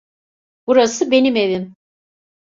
Burası benim evim.